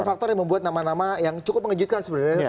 faktor yang membuat nama nama yang cukup mengejutkan sebenarnya